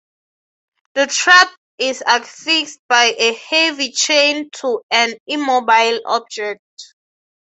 The trap is affixed by a heavy chain to an immobile object.